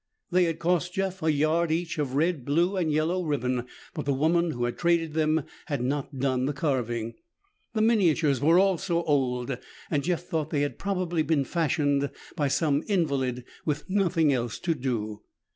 They had cost Jeff a yard each of red, blue and yellow ribbon, but the woman who had traded them had not done the carving. The miniatures were also old and Jeff thought they had probably been fashioned by some invalid with nothing else to do.